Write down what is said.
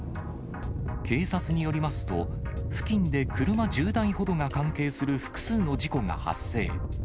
警察によりますと、付近で車１０台ほどが関係する複数の事故が発生。